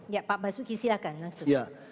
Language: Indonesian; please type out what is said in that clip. ya pak basuki silahkan langsung